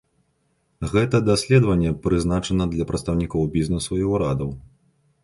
Гэта даследаванне прызначана для прадстаўнікоў бізнесу і ўрадаў.